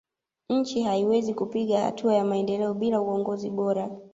nchi haiwezi kupiga hatua ya maendeleo bila uongozi bora